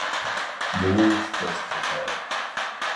The wolves chased the cattle.